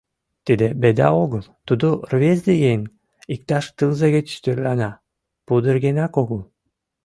Тиде беда огыл, тудо — рвезе еҥ, иктаж тылзе гыч тӧрлана, пудыргенак огыл.